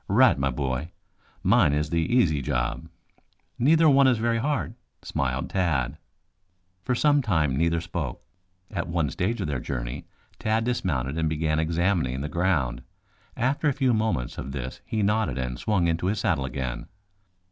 "Right, my boy. Mine is the easy job." "Neither one is very hard," smiled Tad. For some time neither spoke. At one stage of their journey Tad dismounted and began examining the ground. After a few moments of this he nodded and swung into his saddle again.